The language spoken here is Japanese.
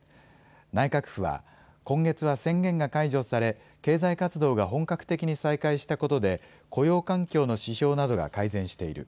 内閣府は今月は宣言が解除され経済活動が本格的に再開したことで雇用環境の指標などが改善している。